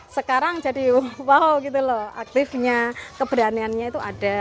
sekarang jadi wow gitu loh aktifnya keberaniannya itu ada